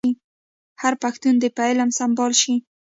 هر پښتون دي په علم سمبال شي.